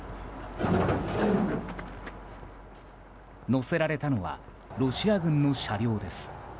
乗せられたのはロシア軍の車両です。